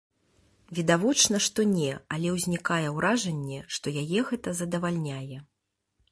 Відавочна, што не, але ўзнікае ўражанне, што яе гэта задавальняе.